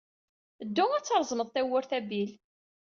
Ddu ad d-reẓmed tawwurt a Bill.